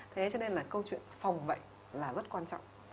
thế cho nên là câu chuyện phòng bệnh là rất quan trọng